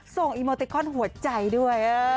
อีโมติคอนหัวใจด้วย